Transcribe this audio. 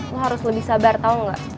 kamu harus lebih sabar tau gak